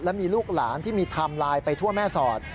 และมีลูกหลานที่มีไทม์ไลน์ไปทั่วแม่สอด